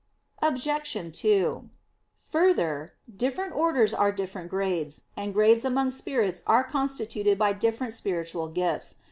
Obj. 2: Further, different orders are different grades, and grades among spirits are constituted by different spiritual gifts.